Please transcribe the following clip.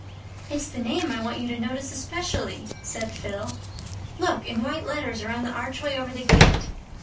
"It's the name I want you to notice especially," said Phil. "Look—in white letters, around the archway over the gate.